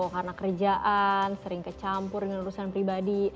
karena kerjaan sering kecampur dengan urusan pribadi